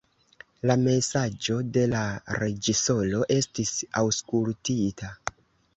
La mesaĝo de la reĝisoro estis aŭskultita.